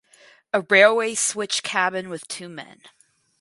A railway switch cabin with two men.